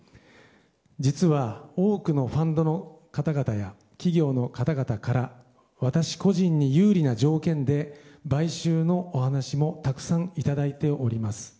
実は、多くのファンドの方々や企業の方々から私個人に有利な条件で買収のお話もたくさんいただいております。